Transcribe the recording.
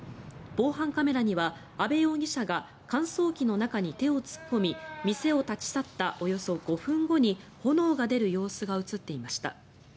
防犯カメラには、阿部容疑者が乾燥機の中に手を突っ込み店を立ち去ったおよそ５分後に炎が出る様子が映っていました。